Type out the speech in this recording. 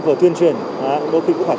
vừa tuyên truyền đôi khi cũng phải